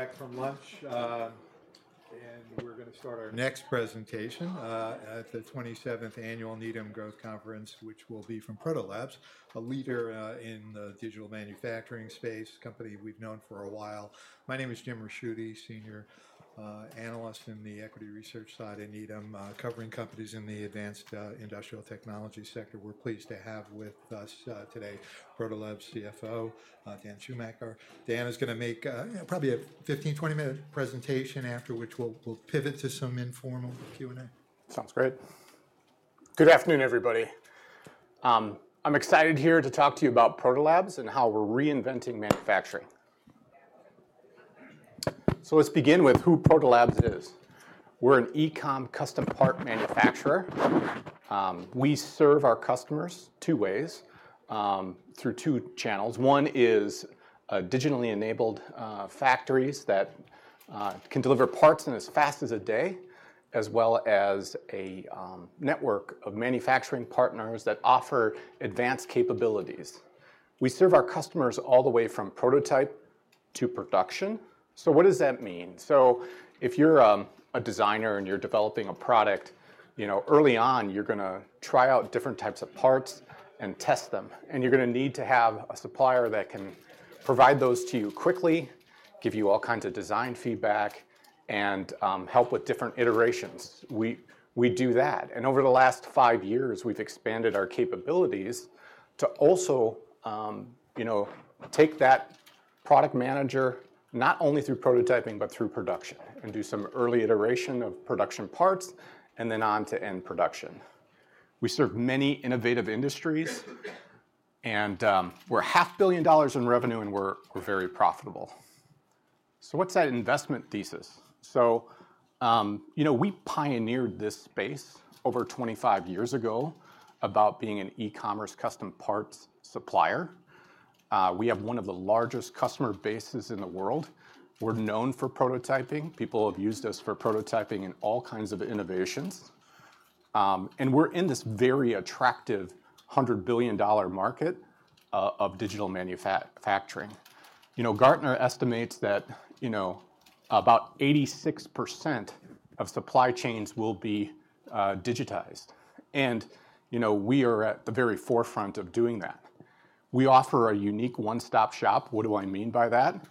Back from lunch, and we're going to start our next presentation at the 27th Annual Needham Growth Conference, which will be from Proto Labs, a leader in the digital manufacturing space, a company we've known for a while. My name is Jim Ricchiuti, Senior Analyst in the Equity Research side at Needham, covering companies in the advanced industrial technology sector. We're pleased to have with us today Proto Labs CFO, Dan Schumacher. Dan is going to make probably a 15-20-minute presentation, after which we'll pivot to some informal Q&A. Sounds great. Good afternoon, everybody. I'm excited here to talk to you about Proto Labs and how we're reinventing manufacturing. So let's begin with who Proto Labs is. We're an e-com custom part manufacturer. We serve our customers two ways through two channels. One is digitally enabled factories that can deliver parts in as fast as a day, as well as a network of manufacturing partners that offer advanced capabilities. We serve our customers all the way from prototype to production. So what does that mean? So if you're a designer and you're developing a product, early on, you're going to try out different types of parts and test them. And you're going to need to have a supplier that can provide those to you quickly, give you all kinds of design feedback, and help with different iterations. We do that. Over the last five years, we've expanded our capabilities to also take that product manager not only through prototyping, but through production, and do some early iteration of production parts, and then on to end production. We serve many innovative industries, and we're $500 million in revenue, and we're very profitable. What's that investment thesis? We pioneered this space over 25 years ago about being an e-commerce custom parts supplier. We have one of the largest customer bases in the world. We're known for prototyping. People have used us for prototyping in all kinds of innovations. We're in this very attractive $100 billion market of digital manufacturing. Gartner estimates that about 86% of supply chains will be digitized. We are at the very forefront of doing that. We offer a unique one-stop shop. What do I mean by that?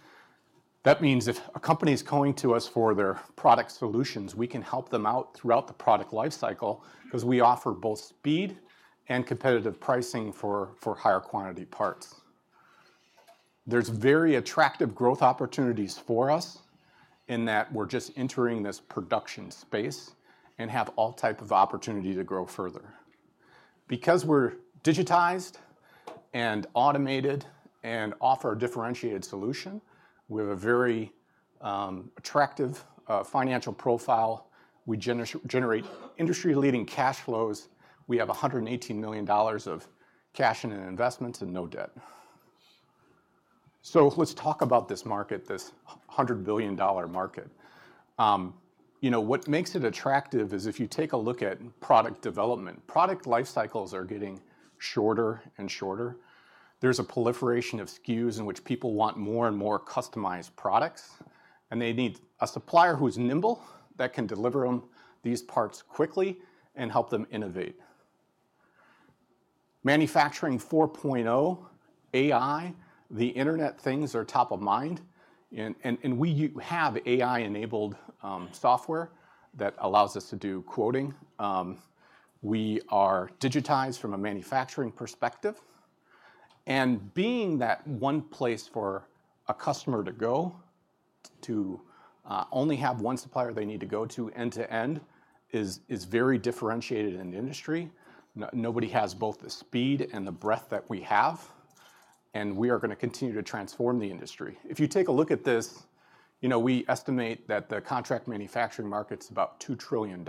That means if a company is coming to us for their product solutions, we can help them out throughout the product lifecycle because we offer both speed and competitive pricing for higher quantity parts. There's very attractive growth opportunities for us in that we're just entering this production space and have all type of opportunity to grow further. Because we're digitized and automated and offer a differentiated solution, we have a very attractive financial profile. We generate industry-leading cash flows. We have $118 million of cash and investments and no debt. So let's talk about this market, this $100 billion market. What makes it attractive is if you take a look at product development, product lifecycles are getting shorter and shorter. There's a proliferation of SKUs in which people want more and more customized products. They need a supplier who's nimble that can deliver them these parts quickly and help them innovate. Manufacturing 4.0, AI, the Internet of Things are top of mind. We have AI-enabled software that allows us to do quoting. We are digitized from a manufacturing perspective. Being that one place for a customer to go to only have one supplier they need to go to end to end is very differentiated in the industry. Nobody has both the speed and the breadth that we have. We are going to continue to transform the industry. If you take a look at this, we estimate that the contract manufacturing market's about $2 trillion.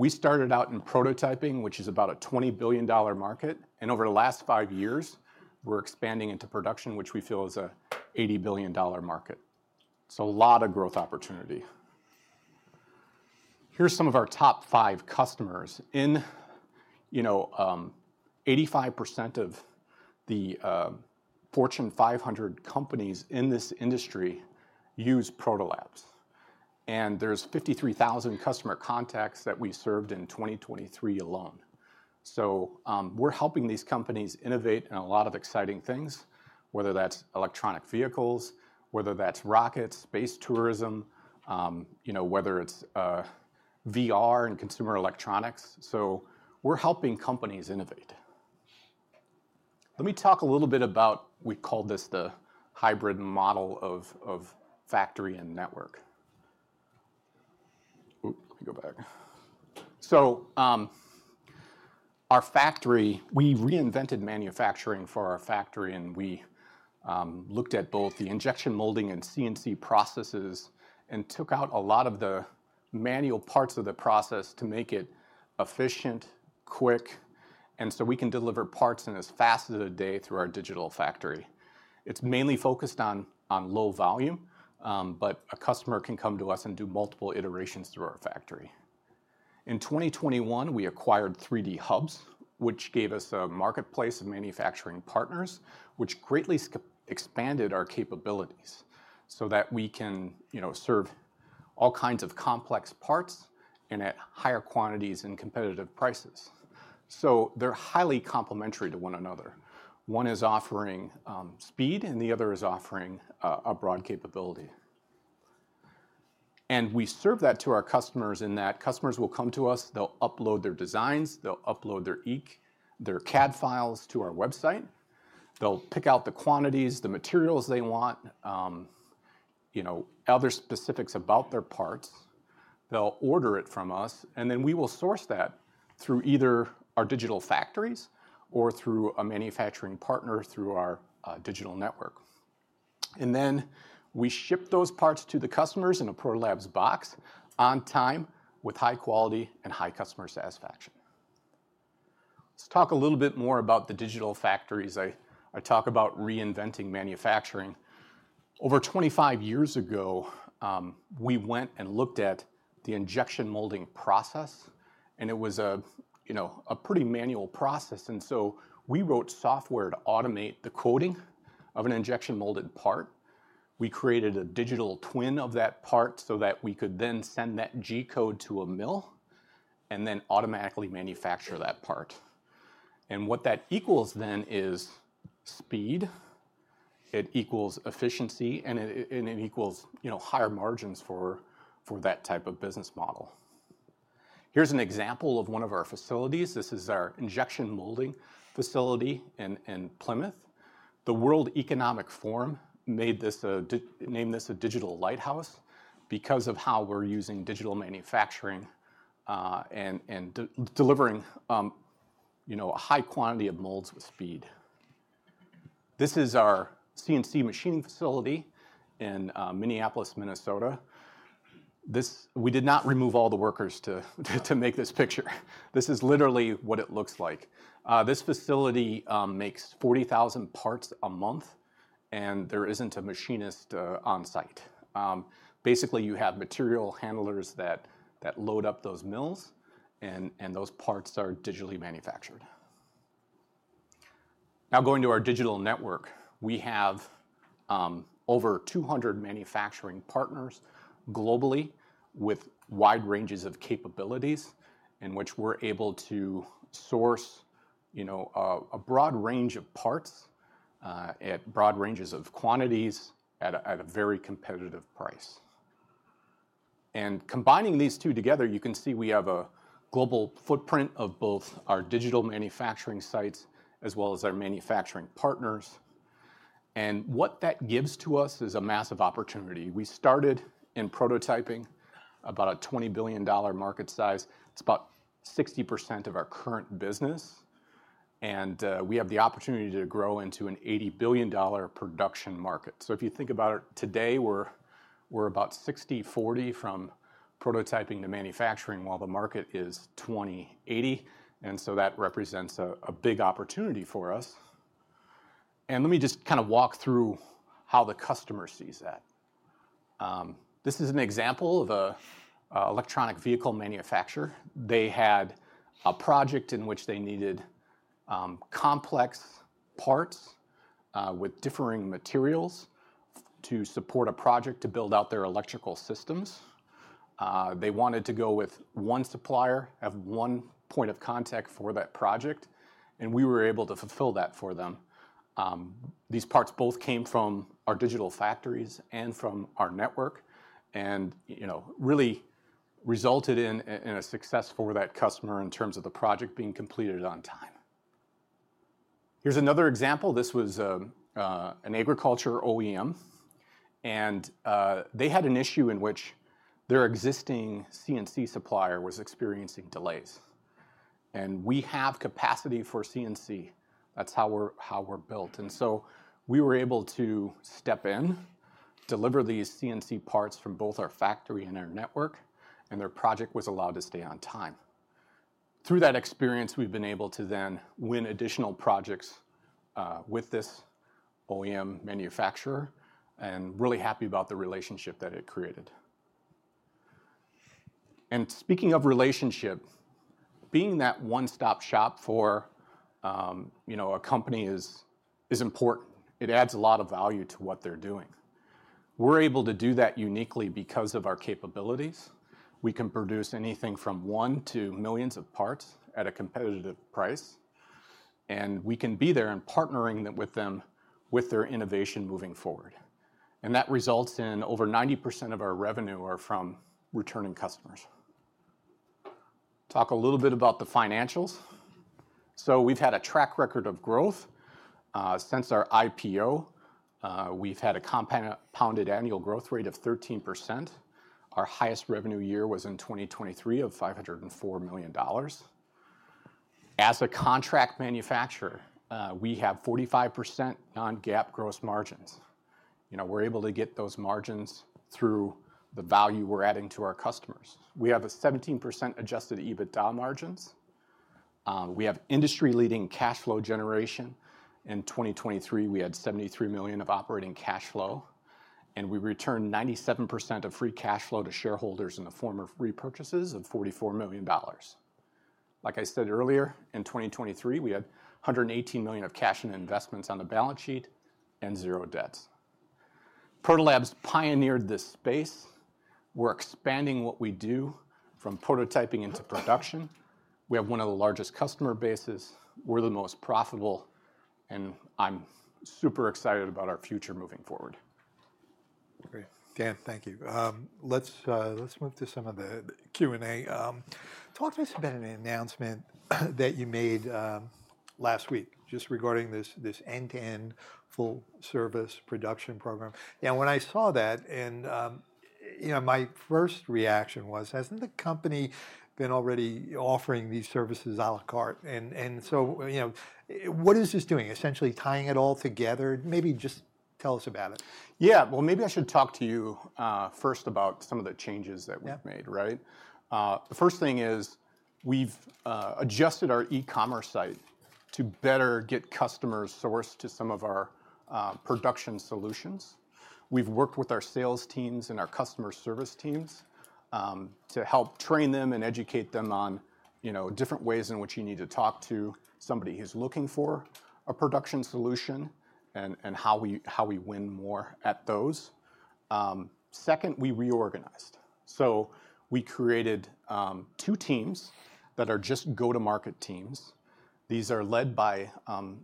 We started out in prototyping, which is about a $20 billion market. Over the last five years, we're expanding into production, which we feel is an $80 billion market. A lot of growth opportunity. Here's some of our top five customers. 85% of the Fortune 500 companies in this industry use Proto Labs, and there's 53,000 customer contacts that we served in 2023 alone. We're helping these companies innovate in a lot of exciting things, whether that's electronic vehicles, whether that's rockets, space tourism, whether it's VR and consumer electronics. We're helping companies innovate. Let me talk a little bit about we call this the hybrid model of factory and network. Let me go back. Our factory, we reinvented manufacturing for our factory. We looked at both the injection molding and CNC processes and took out a lot of the manual parts of the process to make it efficient, quick, and so we can deliver parts in as fast as a day through our digital factory. It's mainly focused on low volume, but a customer can come to us and do multiple iterations through our factory. In 2021, we acquired 3D Hubs, which gave us a marketplace of manufacturing partners, which greatly expanded our capabilities so that we can serve all kinds of complex parts and at higher quantities and competitive prices. So they're highly complementary to one another. One is offering speed, and the other is offering a broad capability. And we serve that to our customers in that customers will come to us. They'll upload their designs. They'll upload their CAD files to our website. They'll pick out the quantities, the materials they want, other specifics about their parts. They'll order it from us. And then we will source that through either our digital factories or through a manufacturing partner through our digital network. And then we ship those parts to the customers in a Proto Labs box on time with high quality and high customer satisfaction. Let's talk a little bit more about the digital factories. I talk about reinventing manufacturing. Over 25 years ago, we went and looked at the injection molding process. And it was a pretty manual process. And so we wrote software to automate the quoting of an injection molded part. We created a digital twin of that part so that we could then send that G-code to a mill and then automatically manufacture that part. And what that equals then is speed. It equals efficiency, and it equals higher margins for that type of business model. Here's an example of one of our facilities. This is our injection molding facility in Plymouth. The World Economic Forum named this a digital lighthouse because of how we're using digital manufacturing and delivering a high quantity of molds with speed. This is our CNC machining facility in Minneapolis, Minnesota. We did not remove all the workers to make this picture. This is literally what it looks like. This facility makes 40,000 parts a month, and there isn't a machinist on site. Basically, you have material handlers that load up those mills, and those parts are digitally manufactured. Now going to our digital network, we have over 200 manufacturing partners globally with wide ranges of capabilities in which we're able to source a broad range of parts at broad ranges of quantities at a very competitive price, and combining these two together, you can see we have a global footprint of both our digital manufacturing sites as well as our manufacturing partners. And what that gives to us is a massive opportunity. We started in prototyping about a $20 billion market size. It's about 60% of our current business. And we have the opportunity to grow into an $80 billion production market. So if you think about it today, we're about 60/40 from prototyping to manufacturing while the market is 20/80. And so that represents a big opportunity for us. And let me just kind of walk through how the customer sees that. This is an example of an electric vehicle manufacturer. They had a project in which they needed complex parts with differing materials to support a project to build out their electrical systems. They wanted to go with one supplier, have one point of contact for that project. And we were able to fulfill that for them. These parts both came from our digital factories and from our network and really resulted in a success for that customer in terms of the project being completed on time. Here's another example. This was an agriculture OEM, and they had an issue in which their existing CNC supplier was experiencing delays. We have capacity for CNC. That's how we're built, and so we were able to step in, deliver these CNC parts from both our factory and our network, and their project was allowed to stay on time. Through that experience, we've been able to then win additional projects with this OEM manufacturer, and really happy about the relationship that it created. Speaking of relationship, being that one-stop shop for a company is important. It adds a lot of value to what they're doing. We're able to do that uniquely because of our capabilities. We can produce anything from one to millions of parts at a competitive price. And we can be there in partnering with them with their innovation moving forward. And that results in over 90% of our revenue are from returning customers. Talk a little bit about the financials. So we've had a track record of growth since our IPO. We've had a compounded annual growth rate of 13%. Our highest revenue year was in 2023 of $504 million. As a contract manufacturer, we have 45% non-GAAP gross margins. We're able to get those margins through the value we're adding to our customers. We have a 17% adjusted EBITDA margins. We have industry-leading cash flow generation. In 2023, we had $73 million of operating cash flow. And we returned 97% of free cash flow to shareholders in the form of repurchases of $44 million. Like I said earlier, in 2023, we had $118 million of cash and investments on the balance sheet and zero debts. Proto Labs pioneered this space. We're expanding what we do from prototyping into production. We have one of the largest customer bases. We're the most profitable, and I'm super excited about our future moving forward. Great. Dan, thank you. Let's move to some of the Q&A. Talk to us about an announcement that you made last week just regarding this end-to-end full-service production program. And when I saw that, my first reaction was, hasn't the company been already offering these services à la carte? And so what is this doing, essentially tying it all together? Maybe just tell us about it. Yeah. Well, maybe I should talk to you first about some of the changes that we've made, right? The first thing is we've adjusted our e-commerce site to better get customers sourced to some of our production solutions. We've worked with our sales teams and our customer service teams to help train them and educate them on different ways in which you need to talk to somebody who's looking for a production solution and how we win more at those. Second, we reorganized so we created two teams that are just go-to-market teams. These are led by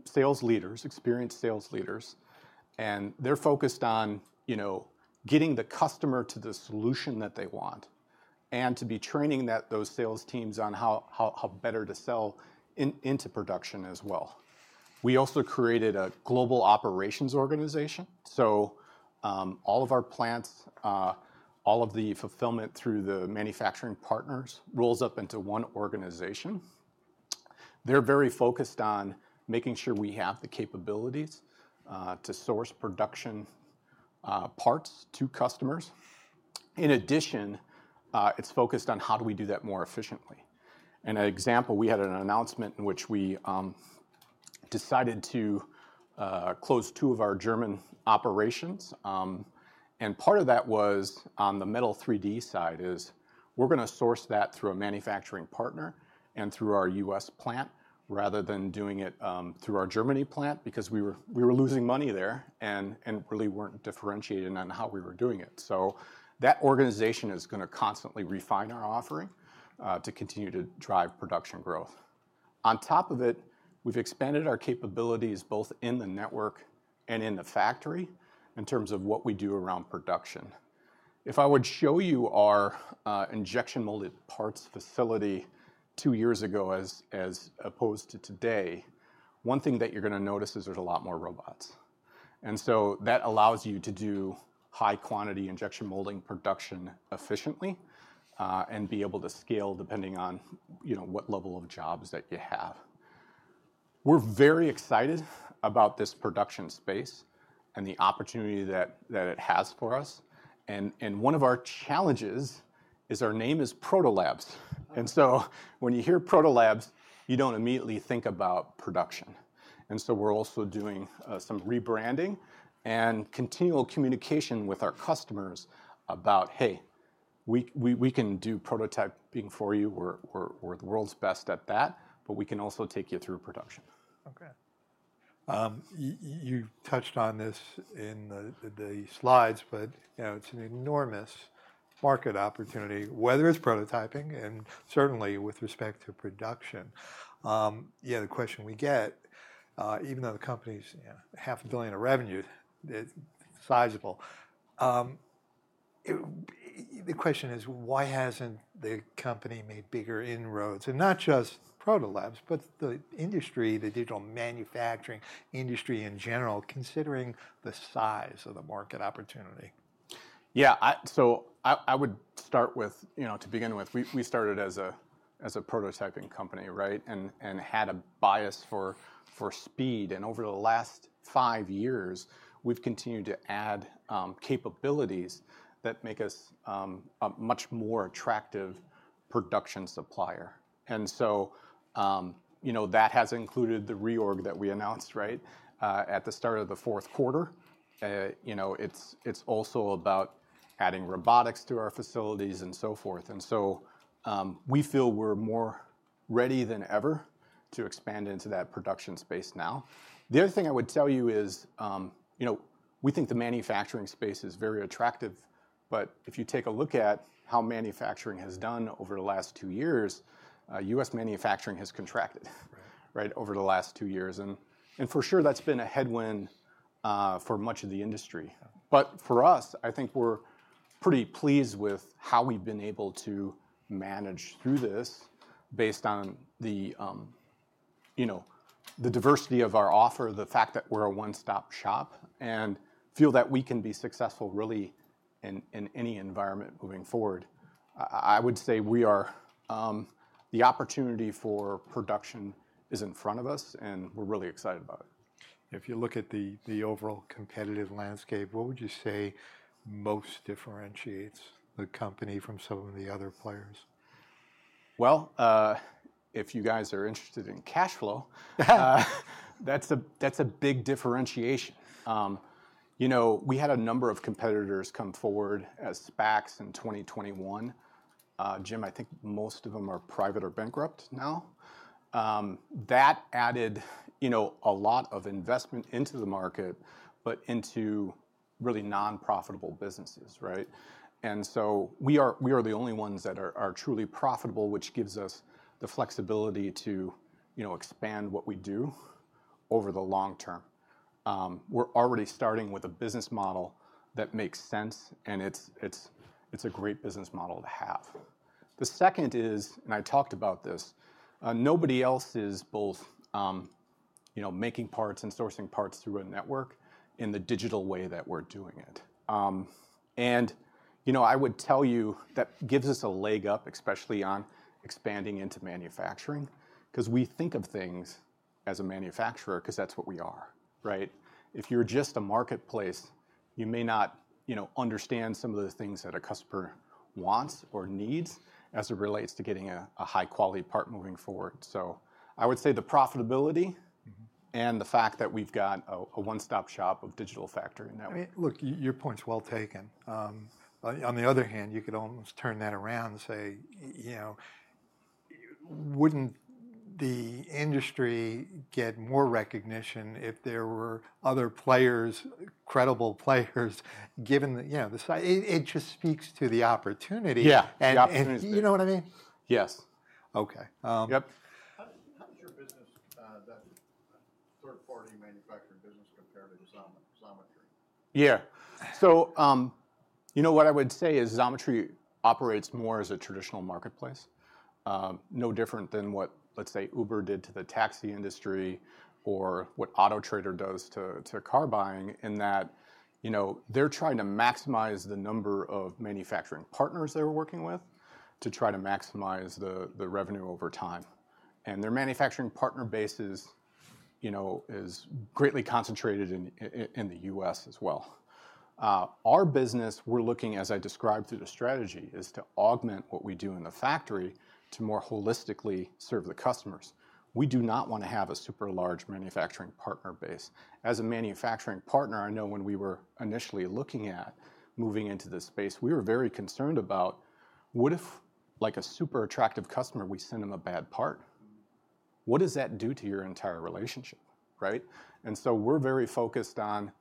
sales leaders, experienced sales leaders, and they're focused on getting the customer to the solution that they want and to be training those sales teams on how better to sell into production as well. We also created a global operations organization. All of our plants, all of the fulfillment through the manufacturing partners rolls up into one organization. They're very focused on making sure we have the capabilities to source production parts to customers. In addition, it's focused on how do we do that more efficiently. An example, we had an announcement in which we decided to close two of our German operations. Part of that was on the metal 3D side is we're going to source that through a manufacturing partner and through our U.S. plant rather than doing it through our German plant because we were losing money there and really weren't differentiated on how we were doing it. That organization is going to constantly refine our offering to continue to drive production growth. On top of it, we've expanded our capabilities both in the network and in the factory in terms of what we do around production. If I would show you our injection molded parts facility two years ago as opposed to today, one thing that you're going to notice is there's a lot more robots, and so that allows you to do high-quantity injection molding production efficiently and be able to scale depending on what level of jobs that you have. We're very excited about this production space and the opportunity that it has for us, and one of our challenges is our name is Proto Labs, and so when you hear Proto Labs, you don't immediately think about production, and so we're also doing some rebranding and continual communication with our customers about, hey, we can do prototyping for you. We're the world's best at that, but we can also take you through production. Okay. You touched on this in the slides, but it's an enormous market opportunity, whether it's prototyping and certainly with respect to production. Yeah, the question we get, even though the company's $500 million of revenue, sizable, the question is, why hasn't the company made bigger inroads? And not just Proto Labs, but the industry, the digital manufacturing industry in general, considering the size of the market opportunity. Yeah. So I would start with, to begin with, we started as a prototyping company, right, and had a bias for speed, and over the last five years, we've continued to add capabilities that make us a much more attractive production supplier, and so that has included the reorg that we announced, right, at the start of the fourth quarter. It's also about adding robotics to our facilities and so forth, and so we feel we're more ready than ever to expand into that production space now. The other thing I would tell you is we think the manufacturing space is very attractive, but if you take a look at how manufacturing has done over the last two years, U.S. manufacturing has contracted, right, over the last two years, and for sure, that's been a headwind for much of the industry. But for us, I think we're pretty pleased with how we've been able to manage through this based on the diversity of our offer, the fact that we're a one-stop shop, and feel that we can be successful really in any environment moving forward. I would say the opportunity for production is in front of us, and we're really excited about it. If you look at the overall competitive landscape, what would you say most differentiates the company from some of the other players? If you guys are interested in cash flow, that's a big differentiation. We had a number of competitors come forward as SPACs in 2021. Jim, I think most of them are private or bankrupt now. That added a lot of investment into the market, but into really nonprofitable businesses, right, and so we are the only ones that are truly profitable, which gives us the flexibility to expand what we do over the long term. We're already starting with a business model that makes sense, and it's a great business model to have. The second is, and I talked about this, nobody else is both making parts and sourcing parts through a network in the digital way that we're doing it. And I would tell you that gives us a leg up, especially on expanding into manufacturing, because we think of things as a manufacturer because that's what we are, right? If you're just a marketplace, you may not understand some of the things that a customer wants or needs as it relates to getting a high-quality part moving forward. So I would say the profitability and the fact that we've got a one-stop shop of digital factory in that way. I mean, look, your point's well taken. On the other hand, you could almost turn that around and say, wouldn't the industry get more recognition if there were other players, credible players, given that it just speaks to the opportunity. Yeah. You know what I mean? Yes. Okay. Yep. How does your business, that third-party manufacturing business, compare to Xometry? Yeah. So you know what I would say is Xometry operates more as a traditional marketplace, no different than what, let's say, Uber did to the taxi industry or what Autotrader does to car buying in that they're trying to maximize the number of manufacturing partners they're working with to try to maximize the revenue over time. And their manufacturing partner base is greatly concentrated in the U.S. as well. Our business, we're looking, as I described through the strategy, is to augment what we do in the factory to more holistically serve the customers. We do not want to have a super large manufacturing partner base. As a manufacturing partner, I know when we were initially looking at moving into this space, we were very concerned about what if, like a super attractive customer, we send them a bad part? What does that do to your entire relationship, right? And so we're very focused on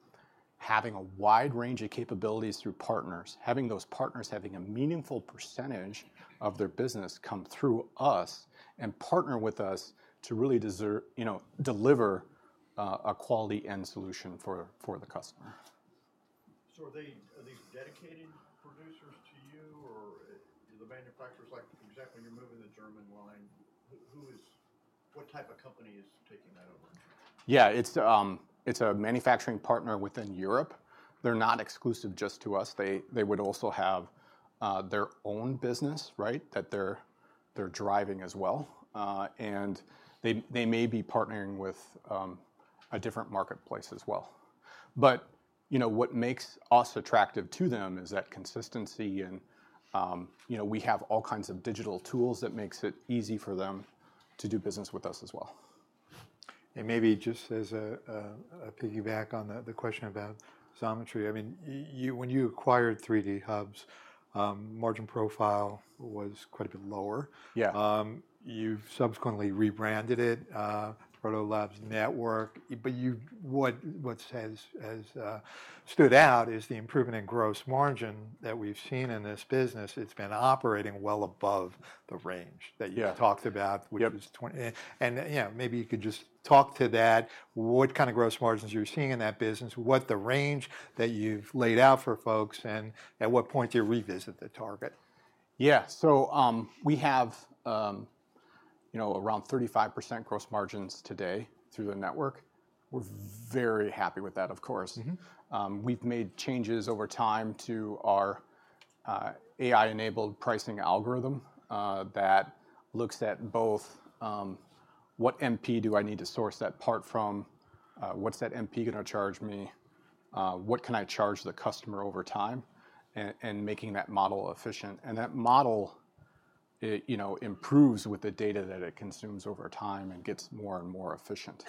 having a wide range of capabilities through partners, having those partners having a meaningful percentage of their business come through us and partner with us to really deliver a quality end solution for the customer. So are these dedicated producers to you or do the manufacturers, like exactly you're moving the German line, what type of company is taking that over? Yeah, it's a manufacturing partner within Europe. They're not exclusive just to us. They would also have their own business, right, that they're driving as well. And they may be partnering with a different marketplace as well. But what makes us attractive to them is that consistency. And we have all kinds of digital tools that makes it easy for them to do business with us as well. Maybe just as a piggyback on the question about Xometry, I mean, when you acquired 3D Hubs, margin profile was quite a bit lower. Yeah. You've subsequently rebranded it, Proto Labs Network. But what has stood out is the improvement in gross margin that we've seen in this business. It's been operating well above the range that you talked about, which was 20. Yep. Maybe you could just talk to that, what kind of gross margins you're seeing in that business, what the range that you've laid out for folks, and at what point do you revisit the target? Yeah. So we have around 35% gross margins today through the network. We're very happy with that, of course. We've made changes over time to our AI-enabled pricing algorithm that looks at both what MP do I need to source that part from, what's that MP going to charge me, what can I charge the customer over time, and making that model efficient, and that model improves with the data that it consumes over time and gets more and more efficient.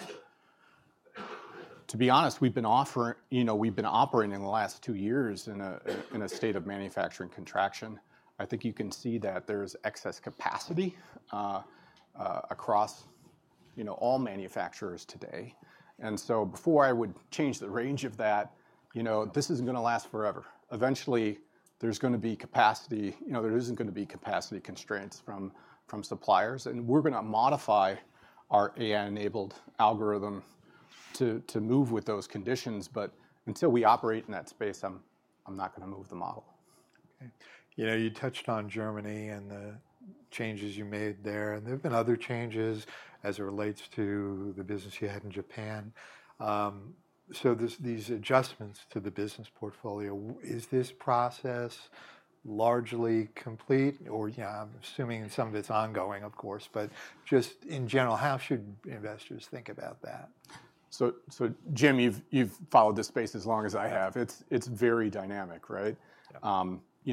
To be honest, we've been operating in the last two years in a state of manufacturing contraction. I think you can see that there's excess capacity across all manufacturers today, and so before I would change the range of that, this isn't going to last forever. Eventually, there's going to be capacity. There isn't going to be capacity constraints from suppliers. And we're going to modify our AI-enabled algorithm to move with those conditions. But until we operate in that space, I'm not going to move the model. Okay. You touched on Germany and the changes you made there, and there have been other changes as it relates to the business you had in Japan, so these adjustments to the business portfolio, is this process largely complete? Or I'm assuming in some of it's ongoing, of course, but just in general, how should investors think about that? So Jim, you've followed this space as long as I have. It's very dynamic, right?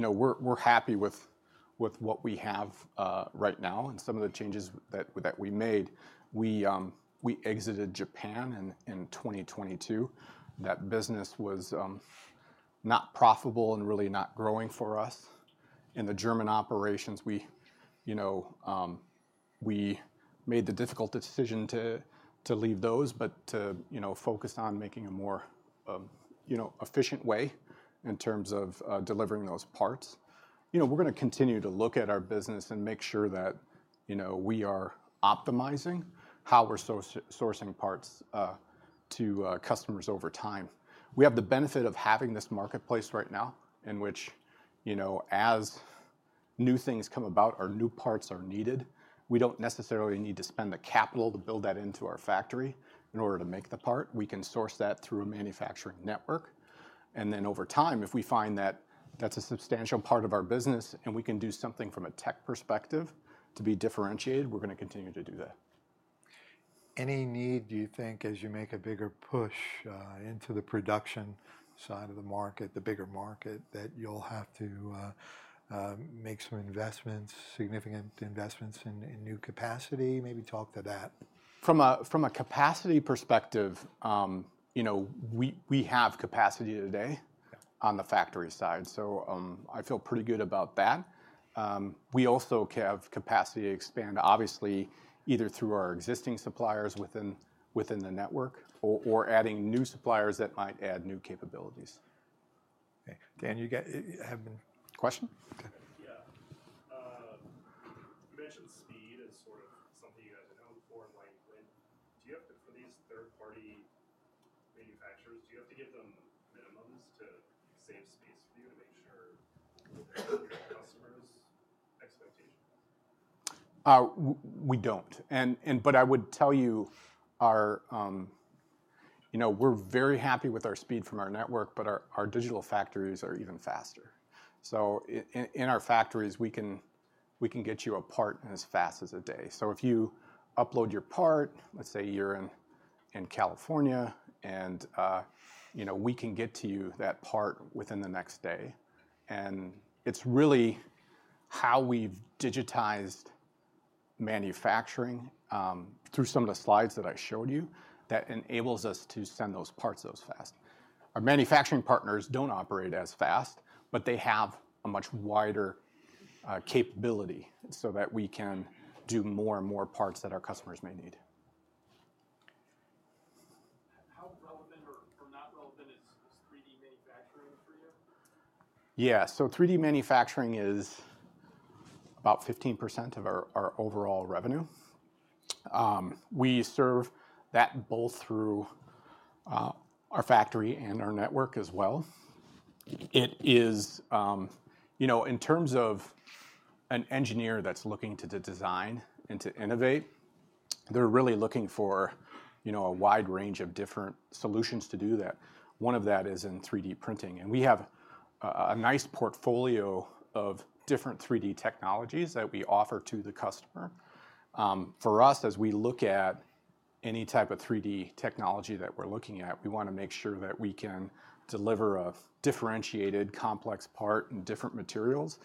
We're happy with what we have right now, and some of the changes that we made, we exited Japan in 2022. That business was not profitable and really not growing for us. In the German operations, we made the difficult decision to leave those, but to focus on making a more efficient way in terms of delivering those parts. We're going to continue to look at our business and make sure that we are optimizing how we're sourcing parts to customers over time. We have the benefit of having this marketplace right now in which, as new things come about, our new parts are needed. We don't necessarily need to spend the capital to build that into our factory in order to make the part. We can source that through a manufacturing network. Over time, if we find that that's a substantial part of our business and we can do something from a tech perspective to be differentiated, we're going to continue to do that. Any need, do you think, as you make a bigger push into the production side of the market, the bigger market, that you'll have to make some investments, significant investments in new capacity? Maybe talk to that. From a capacity perspective, we have capacity today on the factory side. So I feel pretty good about that. We also have capacity to expand, obviously, either through our existing suppliers within the network or adding new suppliers that might add new capabilities. Okay. Dan, you have a question? Yeah. You mentioned speed as sort of something you guys have known before. Do you have to, for these third-party manufacturers, do you have to give them minimums to save space for you to make sure you meet your customers' expectations? We don't. But I would tell you, we're very happy with our speed from our network, but our digital factories are even faster. So in our factories, we can get you a part in as fast as a day. So if you upload your part, let's say you're in California, and we can get to you that part within the next day. And it's really how we've digitized manufacturing through some of the slides that I showed you that enables us to send those parts so fast. Our manufacturing partners don't operate as fast, but they have a much wider capability so that we can do more and more parts that our customers may need. How relevant or not relevant is 3D manufacturing for you? Yeah, so 3D manufacturing is about 15% of our overall revenue. We serve that both through our factory and our network as well. In terms of an engineer that's looking to design and to innovate, they're really looking for a wide range of different solutions to do that. One of that is in 3D printing. And we have a nice portfolio of different 3D technologies that we offer to the customer. For us, as we look at any type of 3D technology that we're looking at, we want to make sure that we can deliver a differentiated, complex part in different materials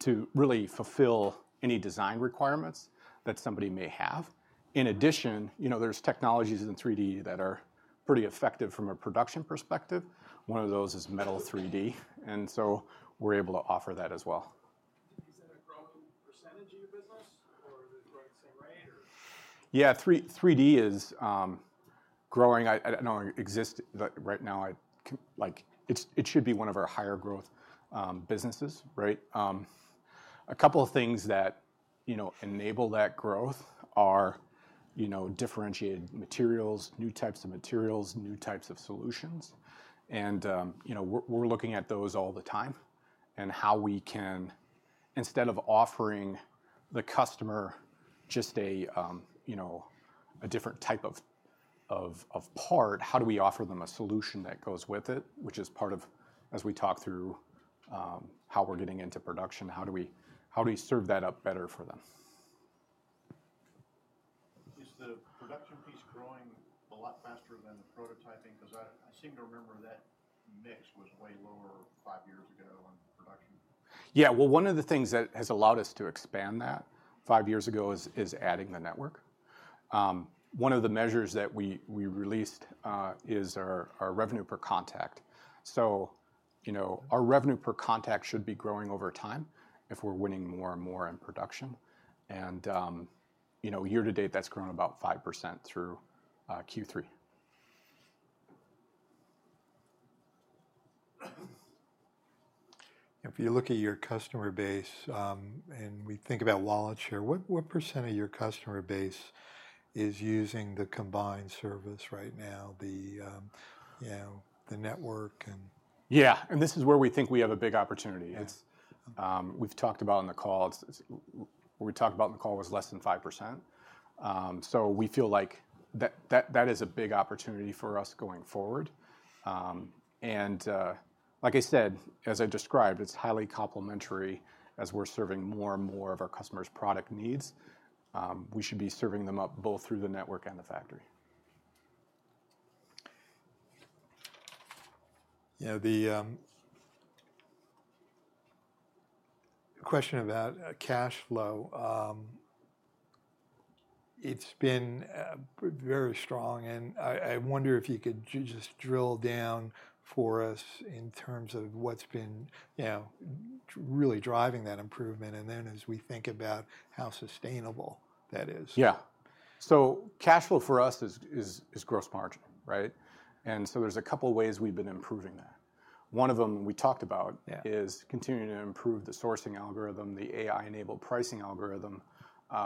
to really fulfill any design requirements that somebody may have. In addition, there's technologies in 3D that are pretty effective from a production perspective. One of those is metal 3D. And so we're able to offer that as well. Is that a growing percentage of your business, or is it growing at the same rate, or? Yeah, 3D is growing. It doesn't exist right now. It should be one of our higher growth businesses, right? A couple of things that enable that growth are differentiated materials, new types of materials, new types of solutions. We're looking at those all the time and how we can, instead of offering the customer just a different type of part, how do we offer them a solution that goes with it, which is part of, as we talk through how we're getting into production, how do we serve that up better for them? Is the production piece growing a lot faster than the prototyping? Because I seem to remember that mix was way lower five years ago in production. Yeah. Well, one of the things that has allowed us to expand that five years ago is adding the network. One of the measures that we released is our revenue per contact. So our revenue per contact should be growing over time if we're winning more and more in production. And year to date, that's grown about 5% through Q3. If you look at your customer base and we think about wallet share, what % of your customer base is using the combined service right now, the network and? Yeah. And this is where we think we have a big opportunity. What we talked about in the call was less than 5%. So we feel like that is a big opportunity for us going forward. And like I said, as I described, it's highly complementary as we're serving more and more of our customers' product needs. We should be serving them up both through the network and the factory. Yeah. The question about cash flow, it's been very strong, and I wonder if you could just drill down for us in terms of what's been really driving that improvement and then as we think about how sustainable that is. Yeah. So cash flow for us is gross margin, right? And so there's a couple of ways we've been improving that. One of them we talked about is continuing to improve the sourcing algorithm, the AI-enabled pricing algorithm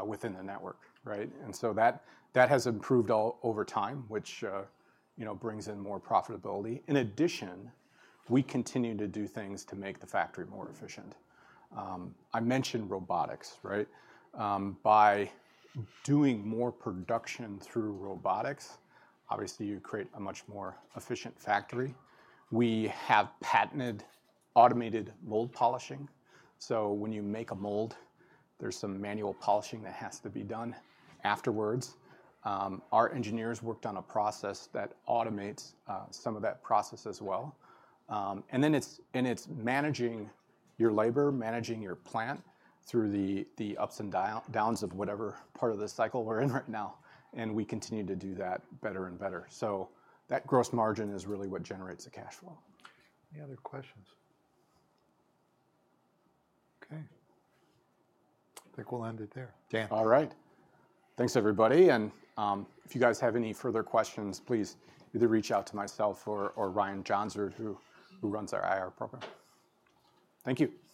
within the network, right? And so that has improved over time, which brings in more profitability. In addition, we continue to do things to make the factory more efficient. I mentioned robotics, right? By doing more production through robotics, obviously, you create a much more efficient factory. We have patented automated mold polishing. So when you make a mold, there's some manual polishing that has to be done afterwards. Our engineers worked on a process that automates some of that process as well. And then it's managing your labor, managing your plant through the ups and downs of whatever part of the cycle we're in right now. And we continue to do that better and better. So that gross margin is really what generates the cash flow. Any other questions? Okay. I think we'll end it there. Dan. All right. Thanks, everybody. And if you guys have any further questions, please either reach out to myself or Ryan Johnsrud, who runs our IR program. Thank you.